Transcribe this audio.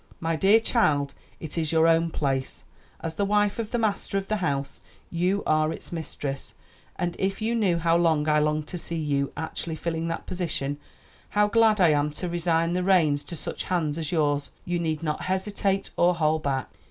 "My dear child, it is your own place; as the wife of the master of the house, you are its mistress. And if you knew how I long to see you actually filling that position; how glad I am to resign the reigns to such hands as yours, you need not hesitate or hold back."